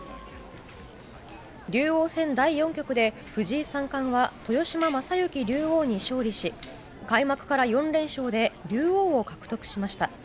竜王戦第４局で藤井三冠が豊島将之竜王に勝利し開幕から４連勝で竜王を獲得しました。